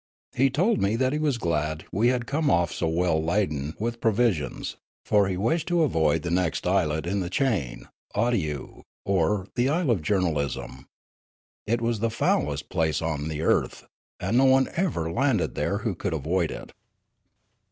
He told me that he was glad we had come off so well laden with provisions ; for he wished to avoid the next islet in the chain, Awdyoo, or the isle of journalism ; it was the foulest place on the earth, and no one ever landed there who could avoid it.